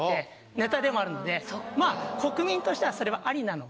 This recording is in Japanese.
ネタでもあるんで国民としてはそれはありなのかなと。